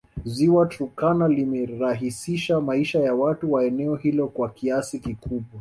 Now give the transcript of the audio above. Ziwa Turkana limerahisisha maisha wa watu wa eneo hilo kwa kiasi kikubwa